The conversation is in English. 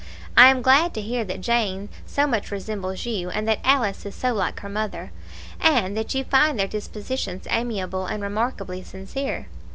I am glad to hear that Jane so much resembles you, and that Alice is so like her mother, and that you find their dispositions amiable and remarkably sincere.